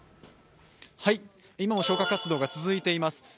今も消火活動が続いています。